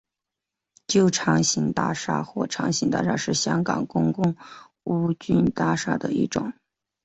旧长型大厦或长型大厦是香港公共屋邨大厦的一种。